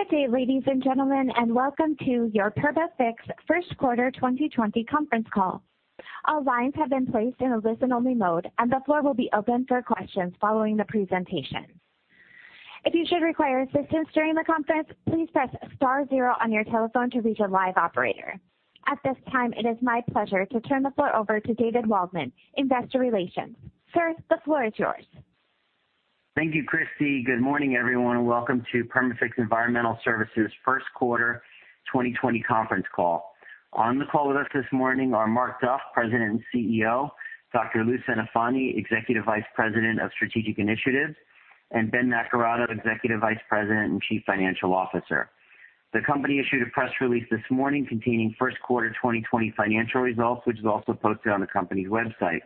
Good day, ladies and gentlemen, and welcome to your Perma-Fix first quarter 2020 conference call. All lines have been placed in a listen-only mode, and the floor will be open for questions following the presentation. If you should require assistance during the conference, please press star zero on your telephone to reach a live operator. At this time, it is my pleasure to turn the floor over to David Waldman, investor relations. Sir, the floor is yours. Thank you, Christy. Good morning, everyone. Welcome to Perma-Fix Environmental Services' first quarter 2020 conference call. On the call with us this morning are Mark Duff, President and CEO, Dr. Lou Centofanti, Executive Vice President of Strategic Initiatives, and Ben Naccarato, Executive Vice President and Chief Financial Officer. The company issued a press release this morning containing first quarter 2020 financial results, which is also posted on the company's website.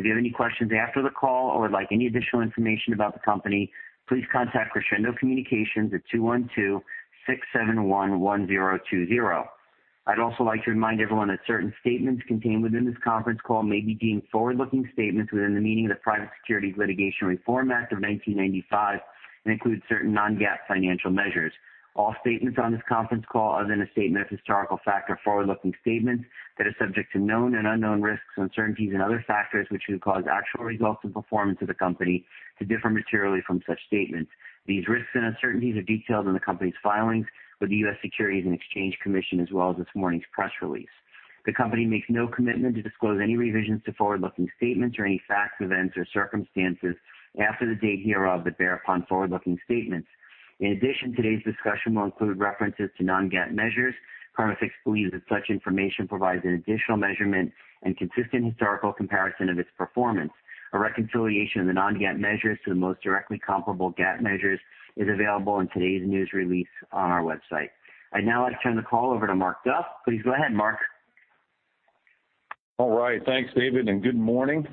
If you have any questions after the call or would like any additional information about the company, please contact Crescendo Communications at 212-671-1020. I'd also like to remind everyone that certain statements contained within this conference call may be deemed forward-looking statements within the meaning of the Private Securities Litigation Reform Act of 1995 and include certain non-GAAP financial measures. All statements on this conference call, other than a statement of historical fact, are forward-looking statements that are subject to known and unknown risks, uncertainties and other factors which would cause actual results and performance of the company to differ materially from such statements. These risks and uncertainties are detailed in the company's filings with the U.S. Securities and Exchange Commission, as well as this morning's press release. The company makes no commitment to disclose any revisions to forward-looking statements or any facts, events, or circumstances after the date hereof that bear upon forward-looking statements. In addition, today's discussion will include references to non-GAAP measures. Perma-Fix believes that such information provides an additional measurement and consistent historical comparison of its performance. A reconciliation of the non-GAAP measures to the most directly comparable GAAP measures is available in today's news release on our website. I'd now like to turn the call over to Mark Duff. Please go ahead, Mark. All right. Thanks, David, and good morning.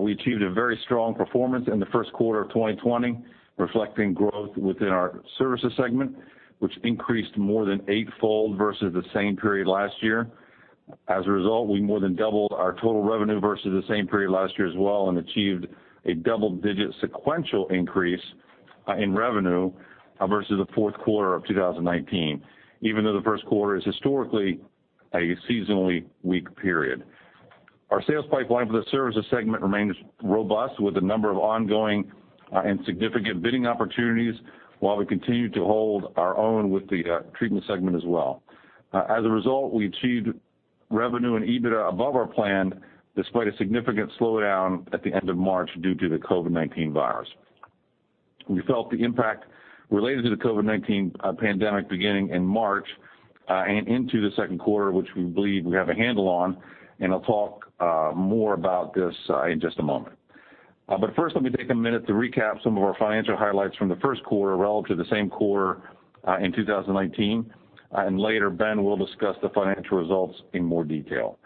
We achieved a very strong performance in the first quarter of 2020, reflecting growth within our services segment, which increased more than eightfold versus the same period last year. As a result, we more than doubled our total revenue versus the same period last year as well and achieved a double-digit sequential increase in revenue versus the fourth quarter of 2019, even though the first quarter is historically a seasonally weak period. Our sales pipeline for the services segment remains robust with a number of ongoing and significant bidding opportunities while we continue to hold our own with the treatment segment as well. As a result, we achieved revenue and EBITDA above our plan despite a significant slowdown at the end of March due to the COVID-19 virus. We felt the impact related to the COVID-19 pandemic beginning in March and into the second quarter, which we believe we have a handle on, and I'll talk more about this in just a moment. First, let me take a minute to recap some of our financial highlights from the first quarter relative to the same quarter in 2019, and later, Ben will discuss the financial results in more detail.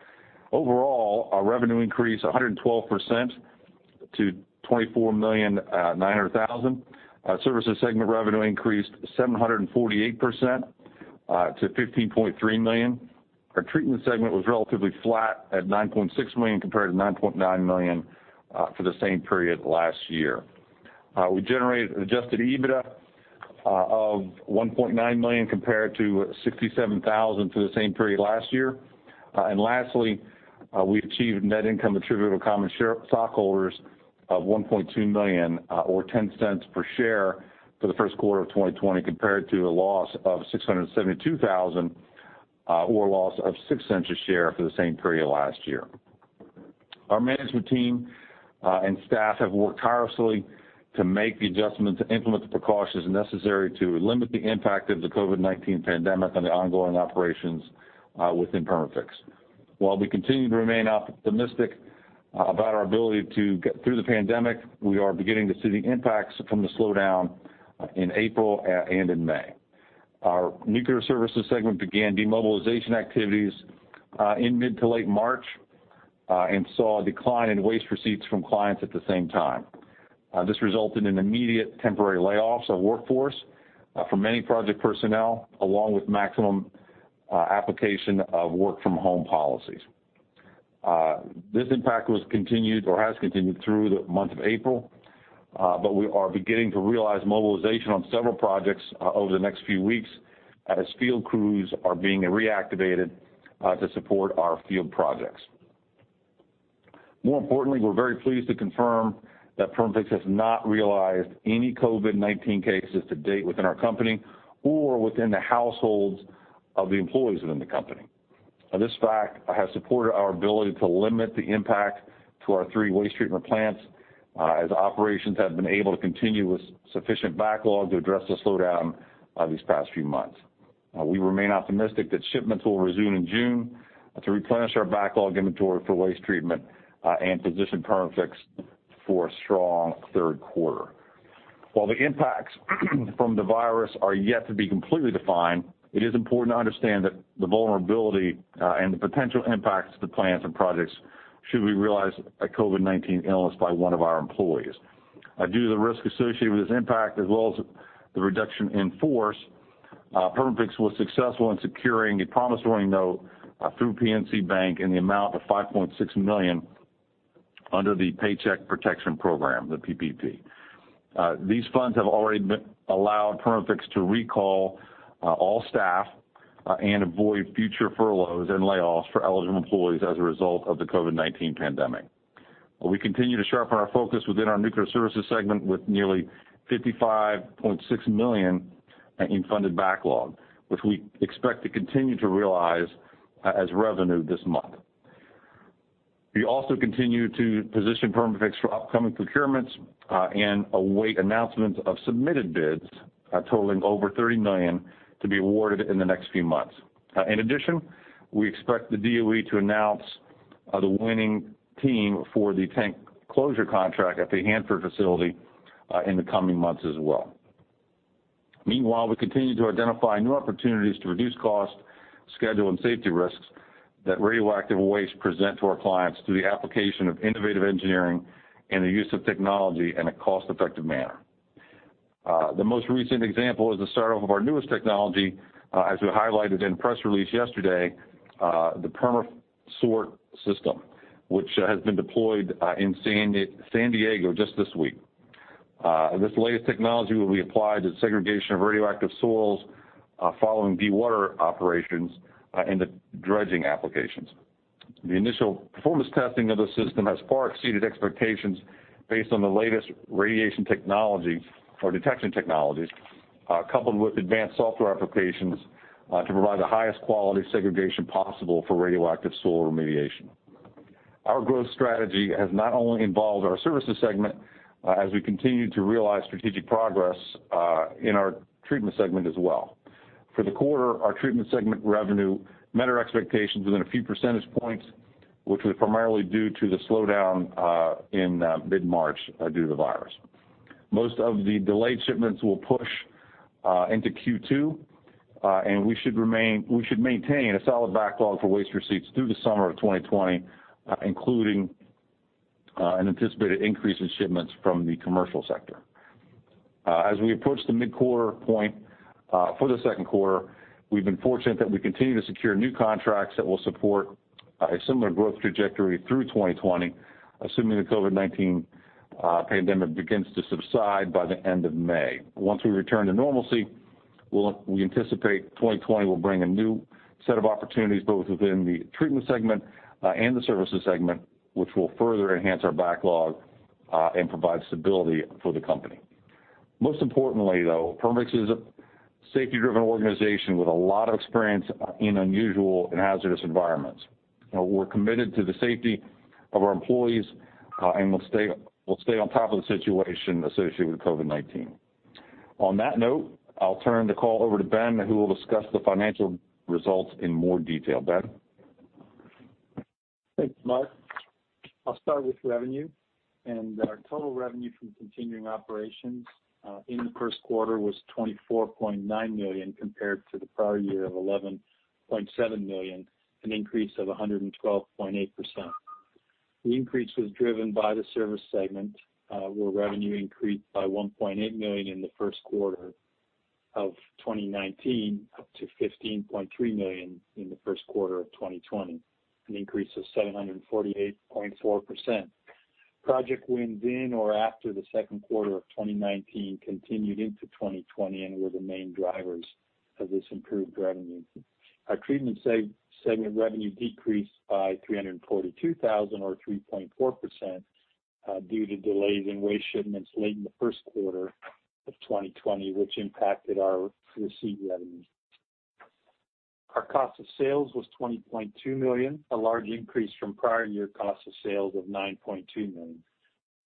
Overall, our revenue increased 112% to $24,900,000. Our services segment revenue increased 748% to $15.3 million. Our treatment segment was relatively flat at $9.6 million compared to $9.9 million for the same period last year. We generated adjusted EBITDA of $1.9 million compared to $67,000 for the same period last year. Lastly, we achieved net income attributable to common shareholders of $1.2 million or $0.10 per share for the first quarter of 2020 compared to a loss of $672,000 or a loss of $0.06 a share for the same period last year. Our management team and staff have worked tirelessly to make the adjustments to implement the precautions necessary to limit the impact of the COVID-19 pandemic on the ongoing operations within Perma-Fix. While we continue to remain optimistic about our ability to get through the pandemic, we are beginning to see the impacts from the slowdown in April and in May. Our nuclear services segment began demobilization activities in mid to late March and saw a decline in waste receipts from clients at the same time. This resulted in immediate temporary layoffs of workforce for many project personnel, along with maximum application of work from home policies. This impact was continued or has continued through the month of April, but we are beginning to realize mobilization on several projects over the next few weeks as field crews are being reactivated to support our field projects. More importantly, we're very pleased to confirm that Perma-Fix has not realized any COVID-19 cases to date within our company or within the households of the employees within the company. This fact has supported our ability to limit the impact to our three waste treatment plants as operations have been able to continue with sufficient backlog to address the slowdown these past few months. We remain optimistic that shipments will resume in June to replenish our backlog inventory for waste treatment and position Perma-Fix for a strong third quarter. While the impacts from the virus are yet to be completely defined, it is important to understand that the vulnerability and the potential impacts to the plants and projects should we realize a COVID-19 illness by one of our employees. Due to the risk associated with this impact as well as the reduction in force, Perma-Fix was successful in securing a promissory note through PNC Bank in the amount of $5.6 million under the Paycheck Protection Program, the PPP. These funds have already allowed Perma-Fix to recall all staff and avoid future furloughs and layoffs for eligible employees as a result of the COVID-19 pandemic. We continue to sharpen our focus within our nuclear services segment with nearly $55.6 million in funded backlog, which we expect to continue to realize as revenue this month. We also continue to position Perma-Fix for upcoming procurements and await announcements of submitted bids totaling over $30 million to be awarded in the next few months. We expect the DOE to announce the winning team for the tank closure contract at the Hanford facility in the coming months as well. We continue to identify new opportunities to reduce cost, schedule, and safety risks that radioactive waste present to our clients through the application of innovative engineering and the use of technology in a cost-effective manner. The most recent example is the start of our newest technology, as we highlighted in a press release yesterday, the PermaSort System, which has been deployed in San Diego just this week. This latest technology will be applied to segregation of radioactive soils following dewater operations in the dredging applications. The initial performance testing of the system has far exceeded expectations based on the latest radiation technology or detection technologies, coupled with advanced software applications to provide the highest quality segregation possible for radioactive soil remediation. Our growth strategy has not only involved our services segment as we continue to realize strategic progress in our treatment segment as well. For the quarter, our treatment segment revenue met our expectations within a few percentage points, which was primarily due to the slowdown in mid-March due to the virus. Most of the delayed shipments will push into Q2, and we should maintain a solid backlog for waste receipts through the summer of 2020, including an anticipated increase in shipments from the commercial sector. As we approach the mid-quarter point for the second quarter, we've been fortunate that we continue to secure new contracts that will support a similar growth trajectory through 2020, assuming the COVID-19 pandemic begins to subside by the end of May. Once we return to normalcy, we anticipate 2020 will bring a new set of opportunities, both within the treatment segment and the services segment, which will further enhance our backlog and provide stability for the company. Most importantly, though, Perma-Fix is a safety-driven organization with a lot of experience in unusual and hazardous environments. We're committed to the safety of our employees, and we'll stay on top of the situation associated with COVID-19. On that note, I'll turn the call over to Ben, who will discuss the financial results in more detail. Ben? Thanks, Mark. I'll start with revenue, our total revenue from continuing operations in the first quarter was $24.9 million compared to the prior year of $11.7 million, an increase of 112.8%. The increase was driven by the service segment, where revenue increased by $1.8 million in the first quarter of 2019, up to $15.3 million in the first quarter of 2020, an increase of 748.4%. Project wins in or after the second quarter of 2019 continued into 2020 and were the main drivers of this improved revenue. Our treatment segment revenue decreased by $342,000 or 3.4% due to delays in waste shipments late in the first quarter of 2020, which impacted our receipt revenue. Our cost of sales was $20.2 million, a large increase from prior year cost of sales of $9.2 million.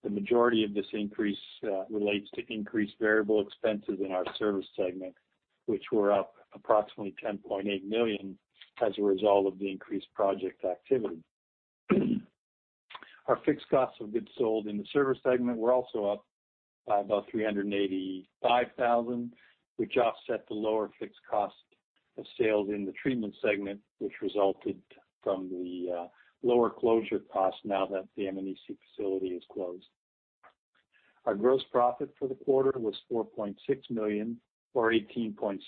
The majority of this increase relates to increased variable expenses in our service segment, which were up approximately $10.8 million as a result of the increased project activity. Our fixed costs of goods sold in the service segment were also up by about $385,000, which offset the lower fixed cost of sales in the treatment segment, which resulted from the lower closure cost now that the M&E facility is closed. Our gross profit for the quarter was $4.6 million or 18.7%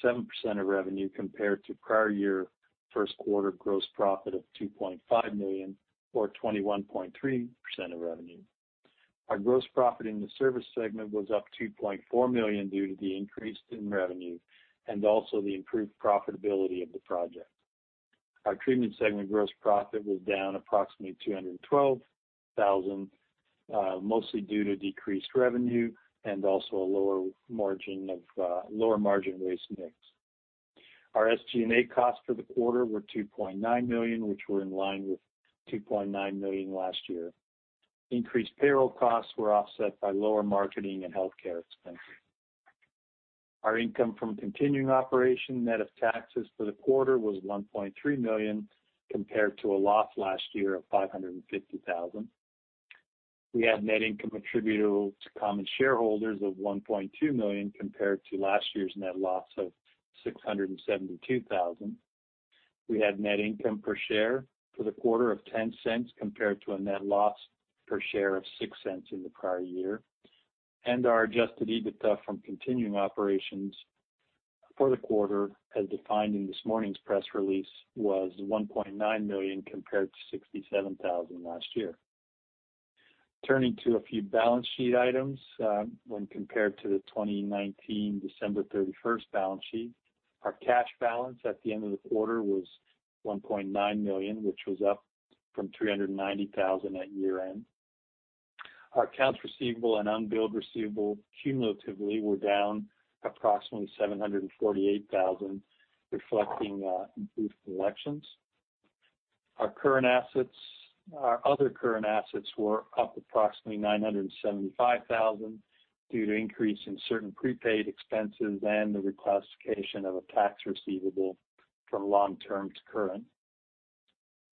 of revenue compared to prior year first quarter gross profit of $2.5 million or 21.3% of revenue. Our gross profit in the service segment was up $2.4 million due to the increase in revenue and also the improved profitability of the project. Our treatment segment gross profit was down approximately $212,000, mostly due to decreased revenue and also a lower margin waste mix. Our SG&A costs for the quarter were $2.9 million, which were in line with $2.9 million last year. Increased payroll costs were offset by lower marketing and healthcare expenses. Our income from continuing operation net of taxes for the quarter was $1.3 million, compared to a loss last year of $550,000. We had net income attributable to common shareholders of $1.2 million, compared to last year's net loss of $672,000. We had net income per share for the quarter of $0.10, compared to a net loss per share of $0.06 in the prior year. Our adjusted EBITDA from continuing operations for the quarter, as defined in this morning's press release, was $1.9 million compared to $67,000 last year. Turning to a few balance sheet items, when compared to the 2019 December 31st balance sheet, our cash balance at the end of the quarter was $1.9 million, which was up from $390,000 at year-end. Our accounts receivable and unbilled receivable cumulatively were down approximately $748,000, reflecting improved collections. Our other current assets were up approximately $975,000 due to increase in certain prepaid expenses and the reclassification of a tax receivable from long-term to current.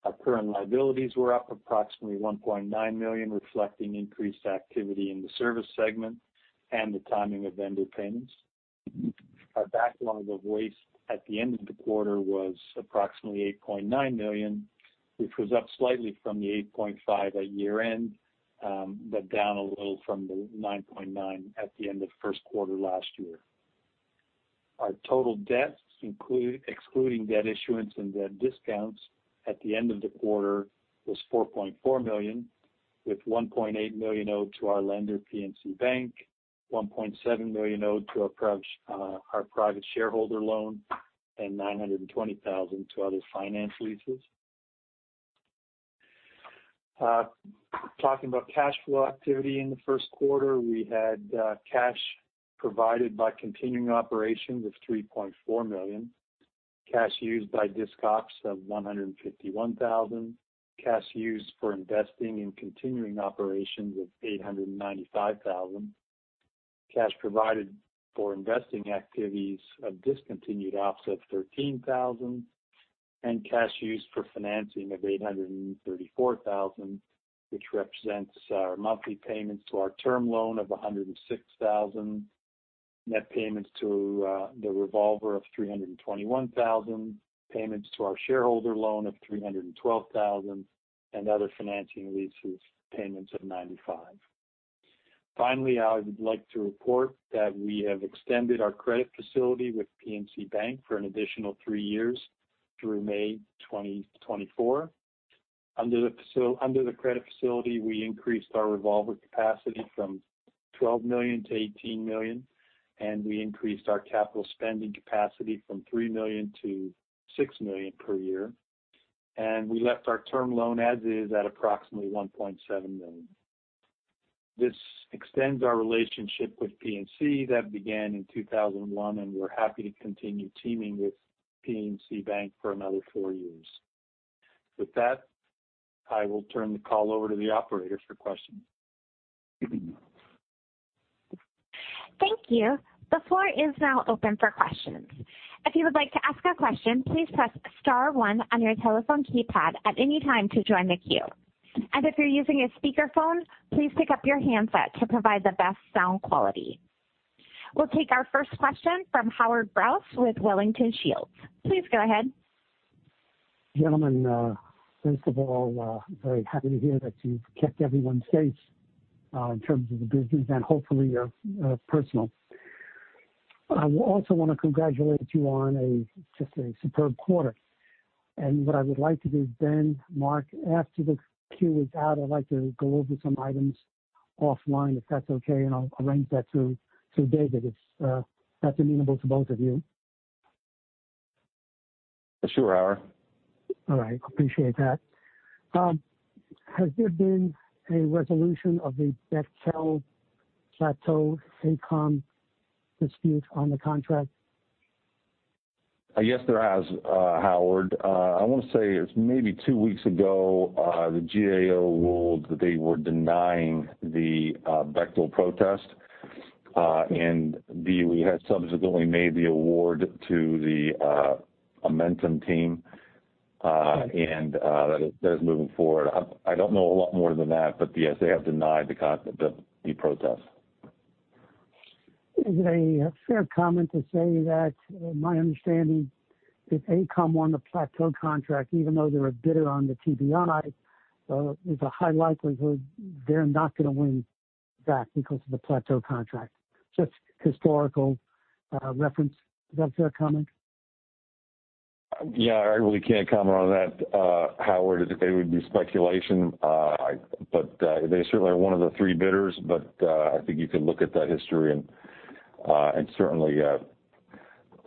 Our current liabilities were up approximately $1.9 million, reflecting increased activity in the service segment and the timing of vendor payments. Our backlog of waste at the end of the quarter was approximately $8.9 million, which was up slightly from the $8.5 at year-end, but down a little from the $9.9 at the end of the first quarter last year. Our total debts, excluding debt issuance and debt discounts at the end of the quarter was $4.4 million, with $1.8 million owed to our lender, PNC Bank, $1.7 million owed to our private shareholder loan, and $920,000 to other finance leases. Talking about cash flow activity in the first quarter, we had cash provided by continuing operations of $3.4 million, cash used by disc ops of $151,000, cash used for investing in continuing operations of $895,000, cash provided for investing activities of discontinued ops of $13,000, and cash used for financing of $834,000, which represents our monthly payments to our term loan of $106,000, net payments to the revolver of $321,000, payments to our shareholder loan of $312,000, and other financing leases payments of $95. Finally, I would like to report that we have extended our credit facility with PNC Bank for an additional three years through May 2024. Under the credit facility, we increased our revolver capacity from $12 million to $18 million, and we increased our capital spending capacity from $3 million to $6 million per year. We left our term loan as is at approximately $1.7 million. This extends our relationship with PNC that began in 2001, and we're happy to continue teaming with PNC Bank for another four years. With that, I will turn the call over to the operator for questions. Thank you. The floor is now open for questions. If you would like to ask a question, please press star one on your telephone keypad at any time to join the queue. If you're using a speakerphone, please pick up your handset to provide the best sound quality. We'll take our first question from Howard Brous with Wellington Shields. Please go ahead. Gentlemen, first of all, very happy to hear that you've kept everyone safe in terms of the business and hopefully personal. I also want to congratulate you on just a superb quarter. what I would like to do then, Mark, after the queue is out, I'd like to go over some items offline, if that's okay, and I'll arrange that through David, if that's amenable to both of you. Sure, Howard. All right. Appreciate that. Has there been a resolution of the Bechtel Plateau AECOM dispute on the contract? Yes, there has, Howard. I want to say it's maybe two weeks ago, the GAO ruled that they were denying the Bechtel protest. DOE had subsequently made the award to the Amentum team, and that is moving forward. I don't know a lot more than that, but yes, they have denied the protest. Is it a fair comment to say that my understanding if AECOM won the Plateau contract, even though they're a bidder on the TBI, there's a high likelihood they're not going to win that because of the Plateau contract. Just historical reference. Is that a fair comment? Yeah, I really can't comment on that, Howard. I think that would be speculation. they certainly are one of the three bidders, but I think you could look at that history and certainly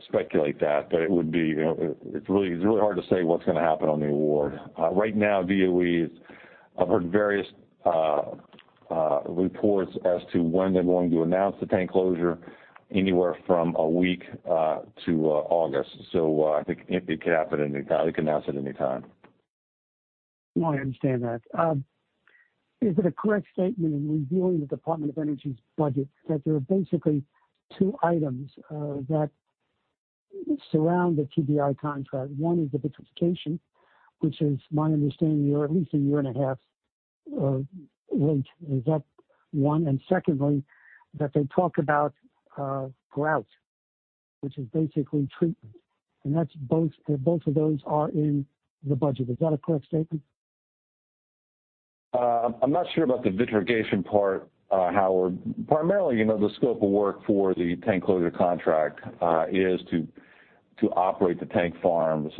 speculate that. it's really hard to say what's going to happen on the award. Right now, DOE's I've heard various reports as to when they're going to announce the tank closure, anywhere from a week to August. I think it could happen at any time, they could announce at any time. No, I understand that. Is it a correct statement in reviewing the Department of Energy's budget that there are basically two items that surround the TBI contract? One is the vitrification, which is my understanding you're at least a year and a half late. Is that one? Secondly, that they talk about grout, which is basically treatment. Both of those are in the budget. Is that a correct statement? I'm not sure about the vitrification part, Howard. Primarily, the scope of work for the tank closure contract is to operate the tank farms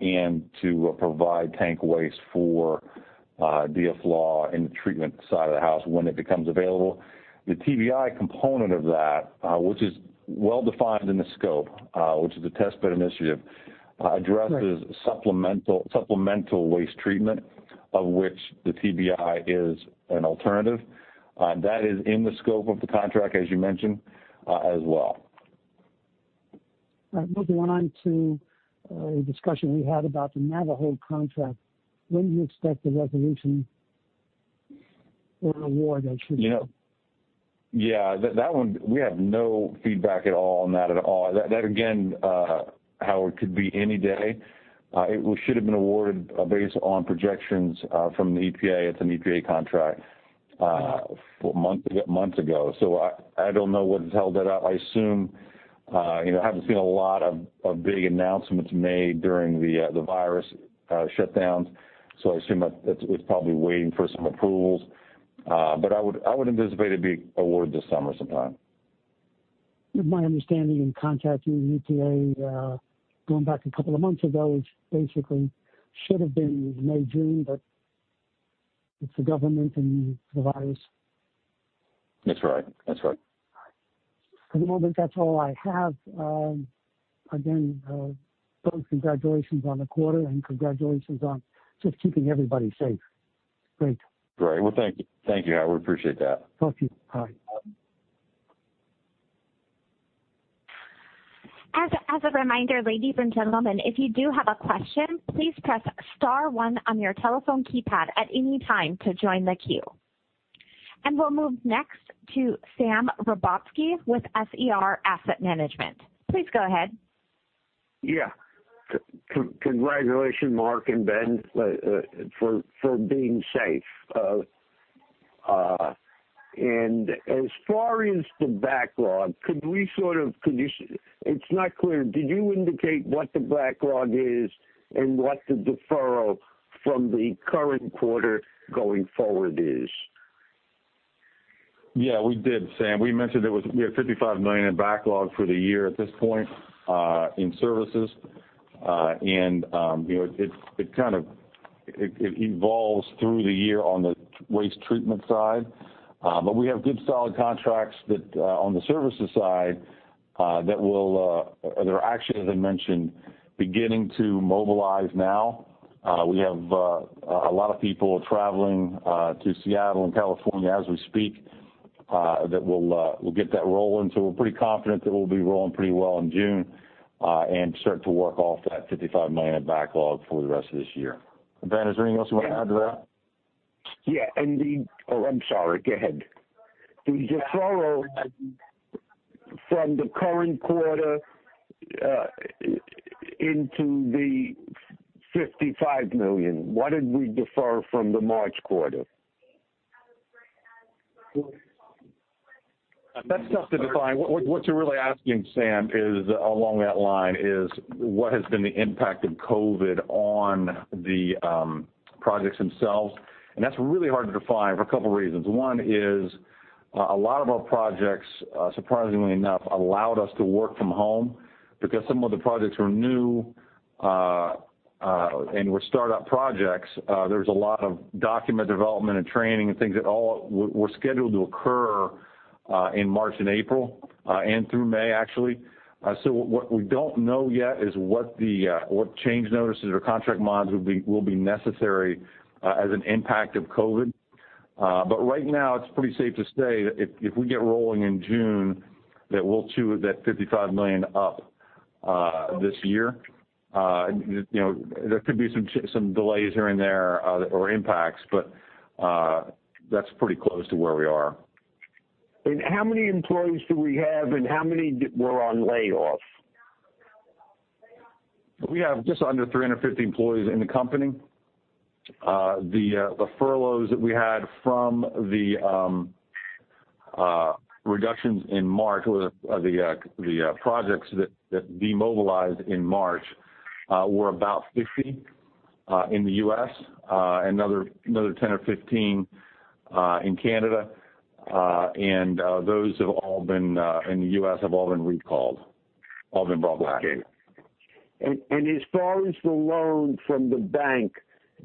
and to provide tank waste for DFLAW in the treatment side of the house when it becomes available. The TBI component of that, which is well-defined in the scope, which is the Test Bed Initiative, addresses supplemental waste treatment, of which the TBI is an alternative. That is in the scope of the contract, as you mentioned, as well. All right. Moving on to a discussion we had about the Navajo contract. When do you expect the resolution or an award, as you said? Yeah. That one, we have no feedback at all on that at all. That again, Howard, could be any day. It should have been awarded based on projections from the EPA, it's an EPA contract, months ago. I don't know what has held that up. I haven't seen a lot of big announcements made during the virus shutdowns. I assume it's probably waiting for some approvals. I would anticipate it to be awarded this summer sometime. My understanding in contacting the EPA, going back a couple of months ago, is basically should have been May, June, but it's the government and the virus. That's right. For the moment, that's all I have. Again, both congratulations on the quarter and congratulations on just keeping everybody safe. Great. Great. Well, thank you, Howard. Appreciate that. Talk to you. Bye. Bye. As a reminder, ladies and gentlemen, if you do have a question, please press star one on your telephone keypad at any time to join the queue. We'll move next to Sam Rebotsky with SER Asset Management. Please go ahead. Yeah. Congratulations, Mark and Ben, for being safe. As far as the backlog, it's not clear. Did you indicate what the backlog is and what the deferral from the current quarter going forward is? Yeah, we did, Sam. We mentioned we have $55 million in backlog for the year at this point in services. It evolves through the year on the waste treatment side. We have good, solid contracts on the services side that are actually, as I mentioned, beginning to mobilize now. We have a lot of people traveling to Seattle and California as we speak that will get that rolling. We're pretty confident that we'll be rolling pretty well in June and start to work off that $55 million backlog for the rest of this year. Ben, is there anything else you want to add to that? Yeah. Oh, I'm sorry. Go ahead. The deferral from the current quarter into the $55 million, what did we defer from the March quarter? That's tough to define. What you're really asking, Sam, along that line is, what has been the impact of COVID on the projects themselves? That's really hard to define for a couple reasons. One is, a lot of our projects, surprisingly enough, allowed us to work from home because some of the projects were new and were startup projects. There's a lot of document development and training and things that all were scheduled to occur in March and April, and through May, actually. What we don't know yet is what change notices or contract mods will be necessary as an impact of COVID. Right now, it's pretty safe to say that if we get rolling in June, that we'll chew that $55 million up this year. There could be some delays here and there or impacts, but that's pretty close to where we are. How many employees do we have, and how many were on layoff? We have just under 350 employees in the company. The furloughs that we had from the reductions in March or the projects that demobilized in March were about 50 in the U.S., another 10 or 15 in Canada. Those in the U.S. have all been recalled, all been brought back in. As far as the loan from the bank,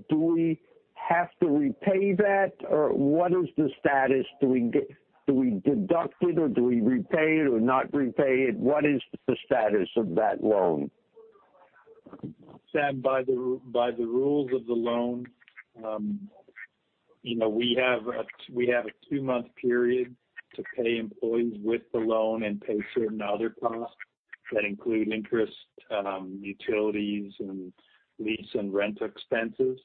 do we have to repay that, or what is the status? Do we deduct it, or do we repay it or not repay it? What is the status of that loan? Sam, by the rules of the loan, we have a two-month period to pay employees with the loan and pay certain other costs that include interest, utilities, and lease and rent expenses.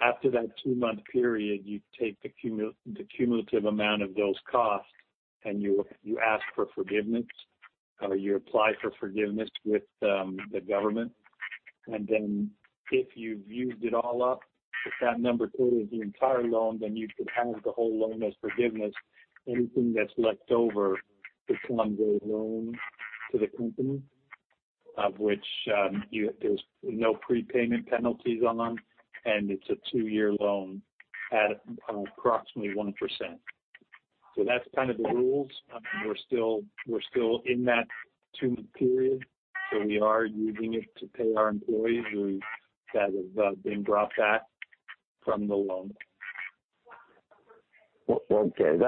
After that two-month period, you take the cumulative amount of those costs and you ask for forgiveness, or you apply for forgiveness with the government. if you've used it all up, if that number totals the entire loan, then you can have the whole loan as forgiveness. Anything that's left over becomes a loan to the company. Of which there's no prepayment penalties on them, and it's a two-year loan at approximately 1%. that's kind of the rules. We're still in that two-month period, so we are using it to pay our employees who that have been brought back from the loan. Okay.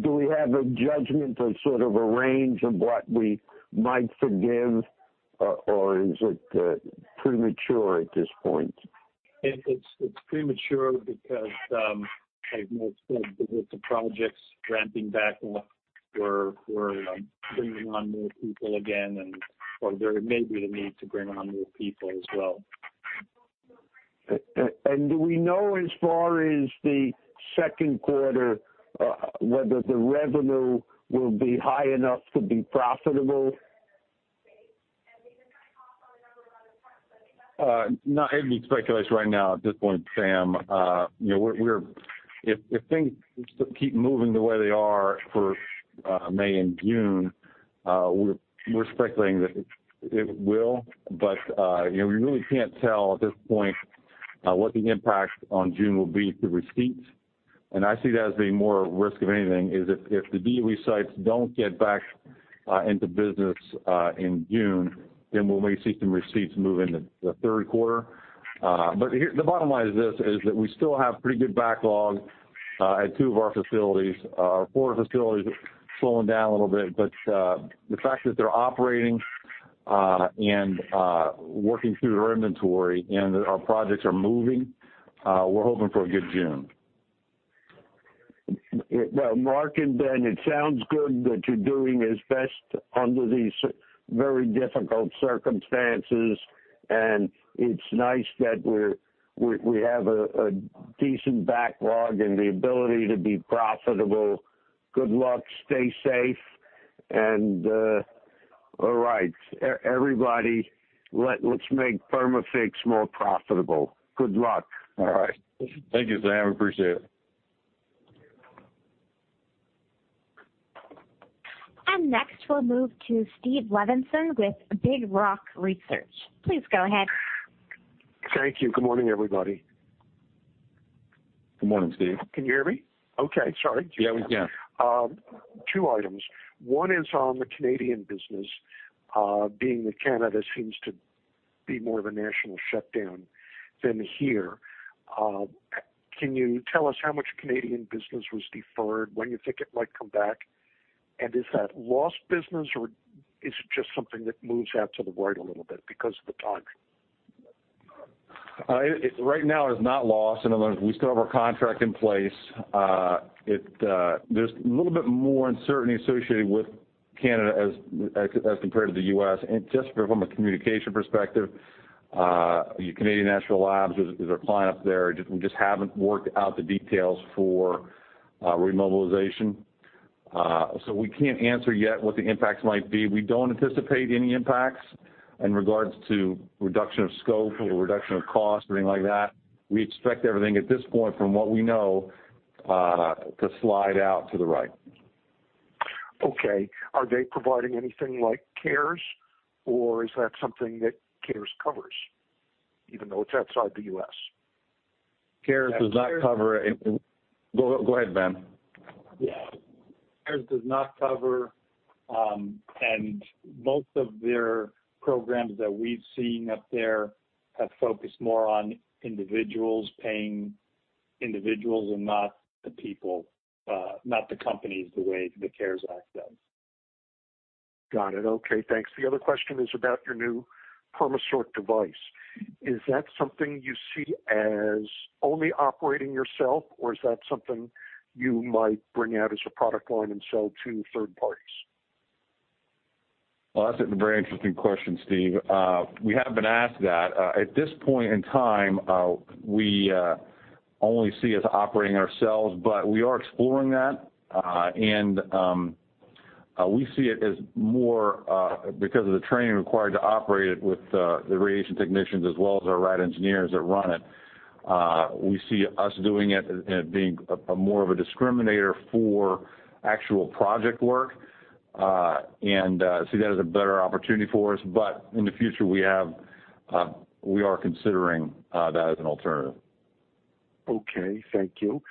Do we have a judgment or sort of a range of what we might forgive, or is it premature at this point? It's premature because, as Mark said, with the projects ramping back up, we're bringing on more people again or there may be the need to bring on more people as well. Do we know, as far as the second quarter, whether the revenue will be high enough to be profitable? Not able to be speculated right now at this point, Sam. If things keep moving the way they are for May and June, we're speculating that it will. We really can't tell at this point what the impact on June will be to receipts. I see that as being more a risk of anything, is if the DOE sites don't get back into business in June, then we may see some receipts move into the third quarter. The bottom line is this, is that we still have pretty good backlog at two of our facilities. Our Florida facility is slowing down a little bit. The fact that they're operating and working through their inventory and our projects are moving, we're hoping for a good June. Well, Mark and Ben, it sounds good that you're doing as best under these very difficult circumstances, and it's nice that we have a decent backlog and the ability to be profitable. Good luck. Stay safe, and all right. Everybody, let's make Perma-Fix more profitable. Good luck. All right. Thank you, Sam. Appreciate it. Next, we'll move to Steve Levenson with Big Rock Research. Please go ahead. Thank you. Good morning, everybody. Good morning, Steve. Can you hear me? Okay, sorry. Yeah, we can. Two items. One is on the Canadian business, being that Canada seems to be more of a national shutdown than here. Can you tell us how much Canadian business was deferred, when you think it might come back, and is that lost business, or is it just something that moves out to the right a little bit because of the timing? Right now, it is not lost. In other words, we still have our contract in place. There's a little bit more uncertainty associated with Canada as compared to the U.S., and just from a communication perspective, Canadian Nuclear Laboratories is our client up there. We just haven't worked out the details for remobilization. We can't answer yet what the impacts might be. We don't anticipate any impacts in regards to reduction of scope or reduction of cost or anything like that. We expect everything at this point, from what we know, to slide out to the right. Okay. Are they providing anything like CARES, or is that something that CARES covers, even though it's outside the U.S.? CARES does not cover. Go ahead, Ben. Yeah. CARES does not cover, and most of their programs that we've seen up there have focused more on individuals, paying individuals and not the companies the way the CARES Act does. Got it. Okay, thanks. The other question is about your new PermaSort device. Is that something you see as only operating yourself, or is that something you might bring out as a product line and sell to third parties? Well, that's a very interesting question, Steve. We have been asked that. At this point in time, we only see us operating ourselves, but we are exploring that. We see it as more, because of the training required to operate it with the radiation technicians as well as our R&D engineers that run it, we see us doing it and it being more of a discriminator for actual project work, and see that as a better opportunity for us. In the future, we are considering that as an alternative. Okay, thank you.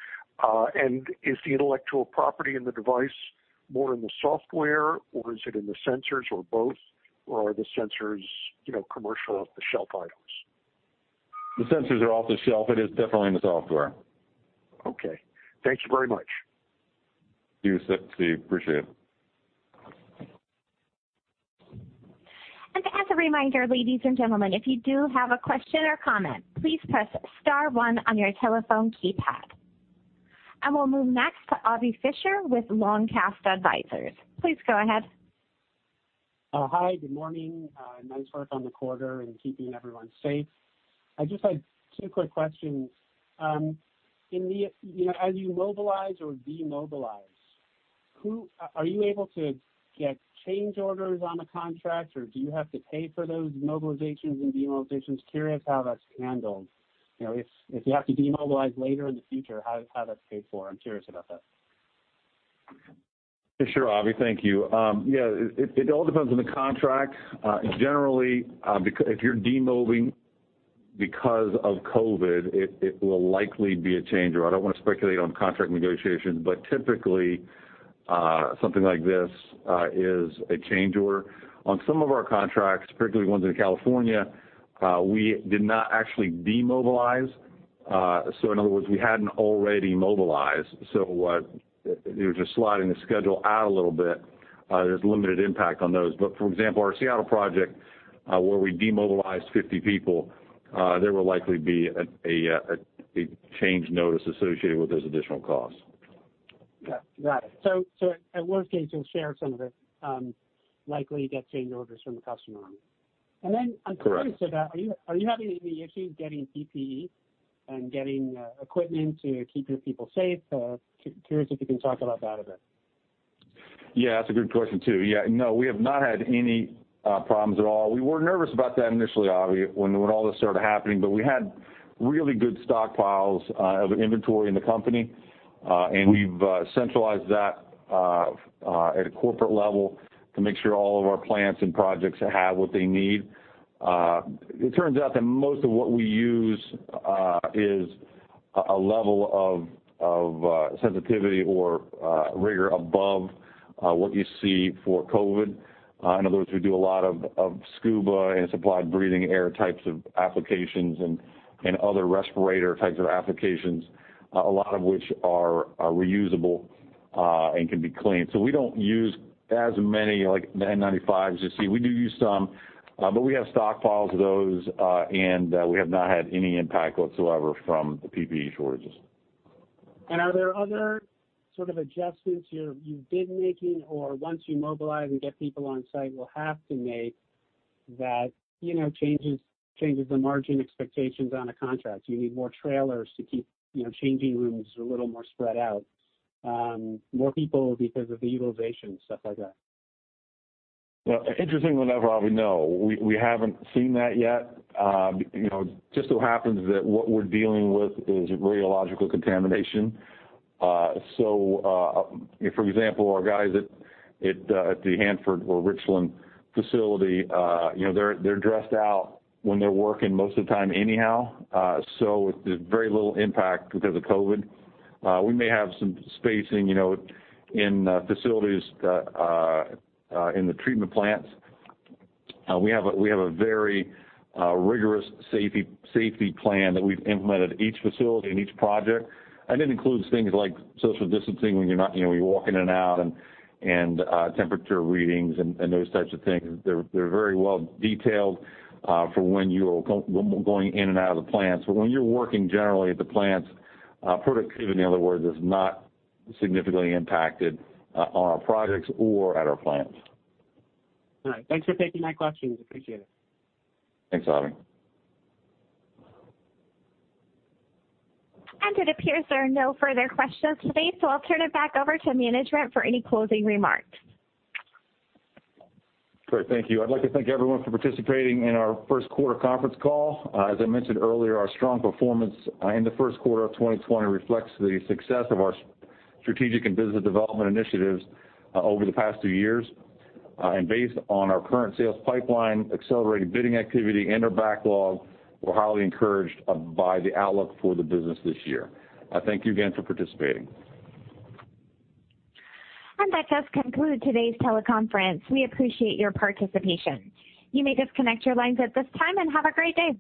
Is the intellectual property in the device more in the software, or is it in the sensors, or both, or are the sensors commercial off-the-shelf items? The sensors are off the shelf. It is definitely in the software. Okay. Thank you very much. Thank you, Steve. Appreciate it. As a reminder, ladies and gentlemen, if you do have a question or comment, please press star one on your telephone keypad. We'll move next to Avi Fisher with Longcast Advisors. Please go ahead. Hi, good morning. Nice work on the quarter and keeping everyone safe. I just had two quick questions. As you mobilize or demobilize, are you able to get change orders on a contract, or do you have to pay for those mobilizations and demobilizations? Curious how that's handled. If you have to demobilize later in the future, how that's paid for. I'm curious about that. Sure, Avi, thank you. Yeah, it all depends on the contract. Generally, if you're demobbing because of COVID, it will likely be a change order. I don't want to speculate on contract negotiations, but typically, something like this is a change order. On some of our contracts, particularly ones in California, we did not actually demobilize. In other words, we hadn't already mobilized, so it was just sliding the schedule out a little bit. There's limited impact on those. For example, our Seattle project, where we demobilized 50 people, there will likely be a change notice associated with those additional costs. Got it. At worst case, you'll share some of it, likely get change orders from the customer on. Correct. I'm curious about, are you having any issues getting PPE and getting equipment to keep your people safe? Curious if you can talk about that a bit. Yeah, that's a good question, too. Yeah, no, we have not had any problems at all. We were nervous about that initially, Avi, when all this started happening. We had really good stockpiles of inventory in the company. We've centralized that at a corporate level to make sure all of our plants and projects have what they need. It turns out that most of what we use is a level of sensitivity or rigor above what you see for COVID. In other words, we do a lot of scuba and supplied breathing air types of applications and other respirator types of applications, a lot of which are reusable and can be cleaned. We don't use as many N95s. We do use some, but we have stockpiles of those, and we have not had any impact whatsoever from the PPE shortages. Are there other sort of adjustments you've been making, or once you mobilize and get people on-site, will have to make that changes the margin expectations on a contract? Do you need more trailers to keep changing rooms a little more spread out? More people because of the utilization, stuff like that? Well, interestingly enough, Avi, no. We haven't seen that yet. It just so happens that what we're dealing with is radiological contamination. For example, our guys at the Hanford or Richland facility, they're dressed out when they're working most of the time anyhow, so there's very little impact because of COVID. We may have some spacing in facilities in the treatment plants. We have a very rigorous safety plan that we've implemented each facility and each project, and it includes things like social distancing when you're walking in and out, and temperature readings, and those types of things. They're very well detailed for when you're going in and out of the plants. When you're working generally at the plants, productivity, in other words, is not significantly impacted on our projects or at our plants. All right. Thanks for taking my questions. Appreciate it. Thanks, Avi. It appears there are no further questions today, so I'll turn it back over to management for any closing remarks. Great. Thank you. I'd like to thank everyone for participating in our first quarter conference call. As I mentioned earlier, our strong performance in the first quarter of 2020 reflects the success of our strategic and business development initiatives over the past two years. Based on our current sales pipeline, accelerated bidding activity, and our backlog, we're highly encouraged by the outlook for the business this year. Thank you again for participating. That does conclude today's teleconference. We appreciate your participation. You may disconnect your lines at this time, and have a great day.